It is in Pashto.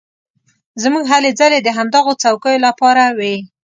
زموږ هلې ځلې د همدغو څوکیو لپاره وې.